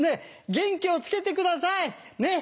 元気をつけてくださいねっ！